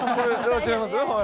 違います？